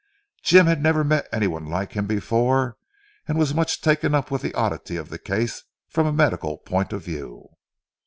Jim had never met anyone like him before and was much taken up with the oddity of the case from a medical point of view.